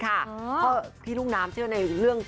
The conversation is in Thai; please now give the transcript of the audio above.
เพราะพี่รุ่งน้ำเชื่อในเรื่อง